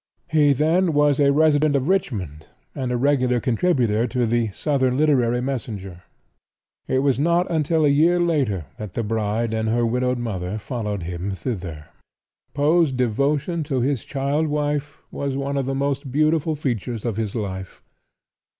He then was a resident of Richmond and a regular contributor to the "Southern Literary Messenger." It was not until a year later that the bride and her widowed mother followed him thither. Poe's devotion to his child wife was one of the most beautiful features of his life.